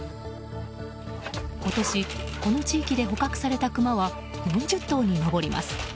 今年この地域で捕獲されたクマは４０頭に上ります。